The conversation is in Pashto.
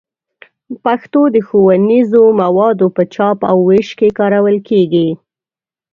پښتو د ښوونیزو موادو په چاپ او ویش کې کارول کېږي.